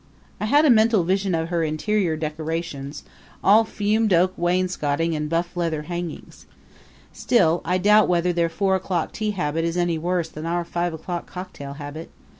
I had a mental vision of her interior decorations all fumed oak wainscotings and buff leather hangings. Still, I doubt whether their four o'clock tea habit is any worse than our five o'clock cocktail habit.